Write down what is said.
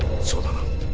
そうだな。